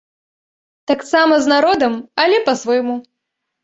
Таксама з народам, але па-свойму!